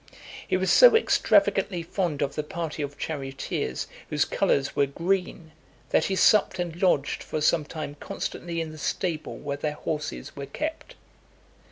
He was so extravagantly fond of the party of charioteers whose colours were green , that he supped and lodged for some time constantly in the stable where their horses were kept.